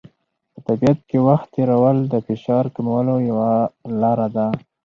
په طبیعت کې وخت تېرول د فشار کمولو یوه لاره ده.